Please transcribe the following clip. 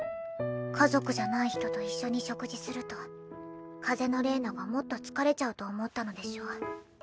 家族じゃない人と一緒に食事すると風邪のれいながもっと疲れちゃうと思ったのでしょう。